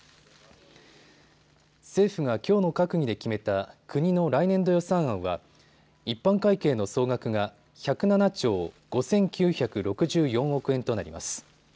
政府がきょうの閣議で決めた国の来年度予算案は一般会計の総額が１０７兆５９６４億円となります。